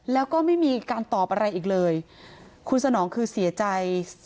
แล้วก็ไม่มีการตอบอะไรอีกเลยคุณสนองคือเสียใจ